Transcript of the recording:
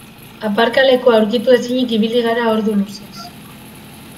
Aparkalekua aurkitu ezinik ibili gara ordu luzez.